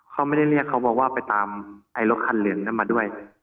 เขาไม่ได้เรียกเขาบอกว่าไปตามไอ้รถคันเหลืองนั้นมาด้วย